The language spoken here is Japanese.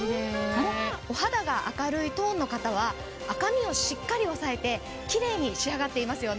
お肌が明るいトーンの方は赤みをしっかり抑えてキレイに仕上がっていますよね。